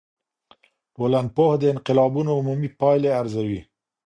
ټولنپوه د انقلابونو عمومي پایلي ارزوي.